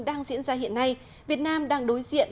đang diễn ra hiện nay việt nam đang đối diện